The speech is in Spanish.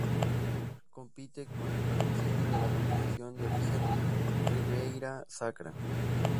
Compite con el patrocinio de la denominación de origen Ribeira Sacra.